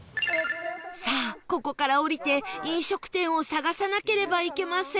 さあここから降りて飲食店を探さなければいけません